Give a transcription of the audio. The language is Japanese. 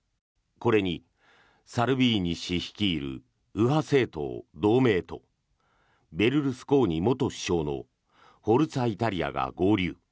これにサルビーニ氏率いる右派政党・同盟とベルルスコーニ元首相のフォルツァ・イタリアが合流。